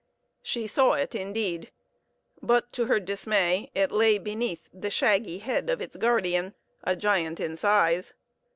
She saw it, indeed; but to her dismay, it lay beneath the shaggy head of its guardian a giant in size.